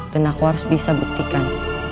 aku harus bisa buktikan